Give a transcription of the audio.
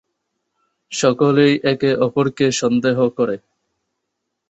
সকলেই একে অপরকে সন্দেহ করে।